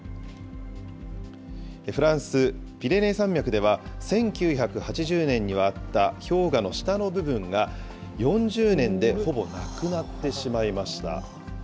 フランス・ピレネー山脈では、１９８０年にはあった氷河の下の部分が、４０年でほぼなくなってしまいました。